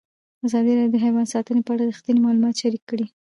ازادي راډیو د حیوان ساتنه په اړه رښتیني معلومات شریک کړي.